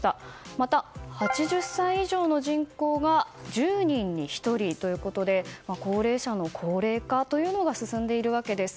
また、８０歳以上の人口が１０人に１人ということで高齢者の高齢化が進んでいるわけです。